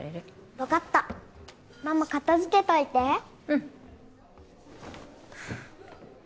分かったママ片づけといてうん